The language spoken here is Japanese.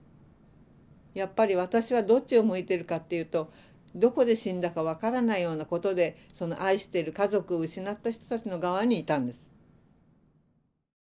やっぱり私はどっちを向いてるかっていうとどこで死んだか分からないようなことでその愛している家族を失った人たちの側にいたんです。